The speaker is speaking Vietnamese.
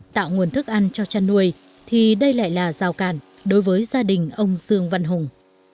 tạo nguồn thức ăn cho chăn nuôi thì đây lại là rào cản đối với gia đình ông dương văn hùng